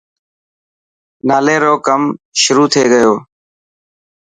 نالي رو ڪم شروع ٿي گيو.